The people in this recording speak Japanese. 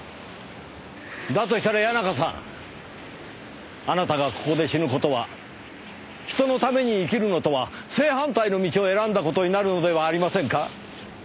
だとしたら谷中さんあなたがここで死ぬ事は人のために生きるのとは正反対の道を選んだ事になるのではありませんか？